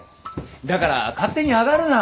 だから勝手に上がるな。